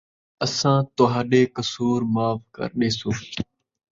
اَساں تُہاݙے قصور معاف کر ݙیسوں ،